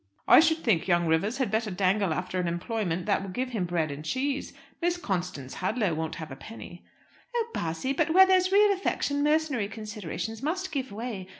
"I should think young Rivers had better dangle after an employment that will give him bread and cheese. Miss Constance Hadlow won't have a penny." "Oh, Bassy, but where there's real affection mercenary considerations must give way.